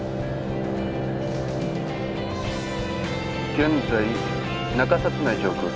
現在中札内上空。